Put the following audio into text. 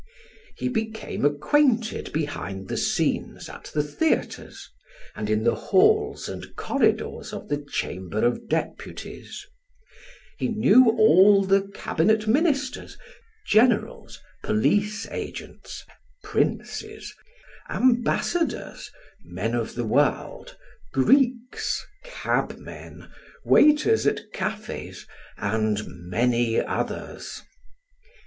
He became acquainted behind the scenes at the theaters, and in the halls and corridors of the chamber of deputies; he knew all the cabinet ministers, generals, police agents, princes, ambassadors, men of the world, Greeks, cabmen, waiters at cafes, and many others.